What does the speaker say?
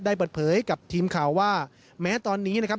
เปิดเผยกับทีมข่าวว่าแม้ตอนนี้นะครับ